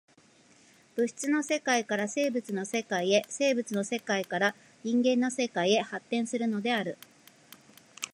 物質の世界から生物の世界へ、生物の世界から人間の世界へ発展するのである。